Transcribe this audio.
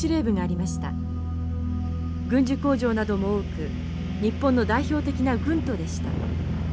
軍需工場なども多く日本の代表的な軍都でした。